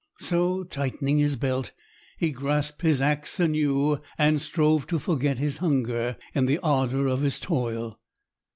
So, tightening his belt, he grasped his axe anew and strove to forget his hunger in the ardour of his toil.